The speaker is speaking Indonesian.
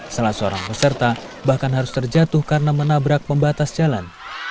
salah seorang peserta bahkan harus terjatuh karena menabrak pembatas jalan